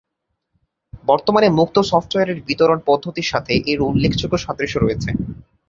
বর্তমানে মুক্ত সফটওয়্যারের বিতরণ পদ্ধতির সাথে এর উল্লেখযোগ্য সাদৃশ্য রয়েছে।